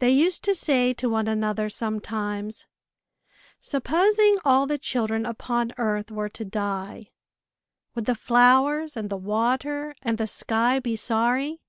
They used to say to one another, sometimes, supposing all the children upon earth were to die, would the flowers, and the water, and the sky be sorry?